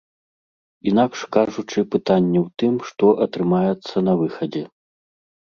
Інакш кажучы, пытанне ў тым, што атрымаецца на выхадзе.